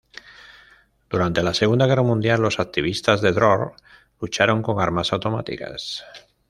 Durante la Segunda Guerra Mundial, los activistas de "Dror" lucharon con armas automáticas.